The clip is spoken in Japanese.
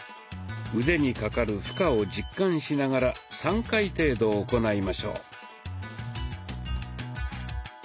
腕にかかる負荷を実感しながら３回程度行いましょう。